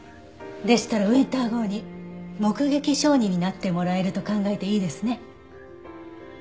でしたらウィンター号に目撃証人になってもらえると考えていいですね。